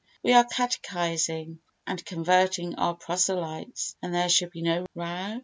We are catechising and converting our proselytes, and there should be no row.